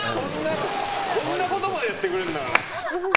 こんなことまでやってくれるんだ。